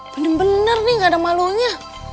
bener bener nih gak ada malunya